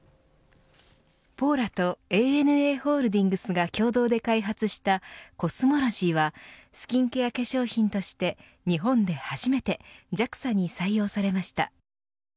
ポーラとＡＮＡホールディングスが共同で開発したＣＯＳＭＯＬＯＧＹはスキンケア化粧品として日本で初めてＪＡＸＡに採用されました。